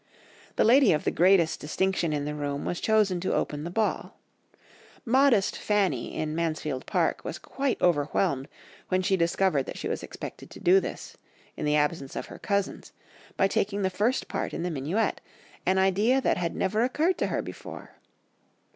The lady of the greatest distinction in the room was chosen to open the ball. Modest Fanny in Mansfield Park was quite overwhelmed when she discovered that she was expected to do this, in the absence of her cousins, by taking the first part in the minuet, an idea that had never occurred to her before.